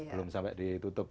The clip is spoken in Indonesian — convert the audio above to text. belum sampai ditutup